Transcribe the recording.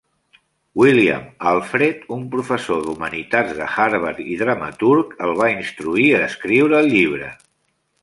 William Alfred, un professor d'humanitats de Harvard i dramaturg, el va instruir a escriure el llibre.